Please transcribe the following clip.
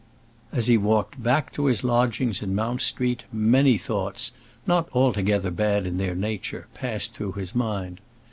As he walked back to his lodgings in Mount Street, many thoughts, not altogether bad in their nature, passed through his mind.